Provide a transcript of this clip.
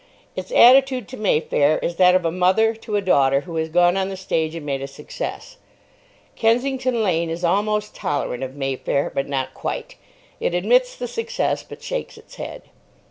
Its attitude to Mayfair is that of a mother to a daughter who has gone on the stage and made a success. Kensington Lane is almost tolerant of Mayfair. But not quite. It admits the success, but shakes its head.